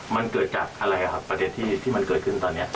มันเกิดจากอะไรครับประเด็นที่มันเกิดขึ้นตอนนี้